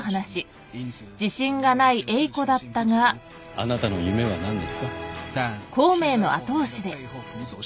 あなたの夢は何ですか？